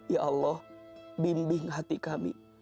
ya allah bimbing hati kami